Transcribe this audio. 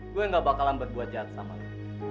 gue gak bakalan buat buat jahat sama lo